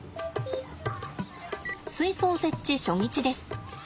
水槽設置初日です。